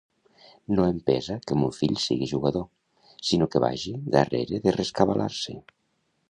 No em pesa que mon fill sigui jugador, sinó que vagi darrere de rescabalar-se.